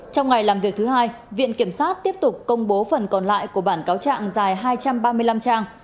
trong ngày làm việc thứ hai viện kiểm sát tiếp tục công bố phần còn lại của bản cáo trạng dài hai trăm ba mươi năm trang